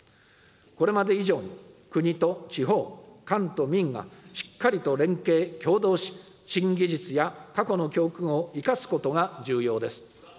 これまで以上に、国と地方、官と民がしっかりと連携・協働し、新技術や過去の教訓を生かすことが重要です。